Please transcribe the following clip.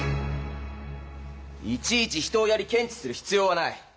いちいち人をやり検地する必要はない。